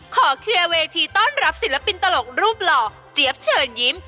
ขอเคลียร์เวทีต้อนรับศิลปินตลกรูปหล่อเจี๊ยบเชิญยิ้ม